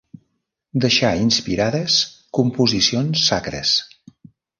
Deixà inspirades composicions sacres.